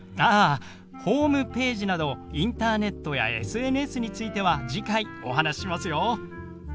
あホームページなどインターネットやＳＮＳについては次回お話ししますよ。